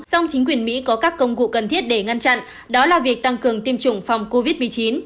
song chính quyền mỹ có các công cụ cần thiết để ngăn chặn đó là việc tăng cường tiêm chủng phòng covid một mươi chín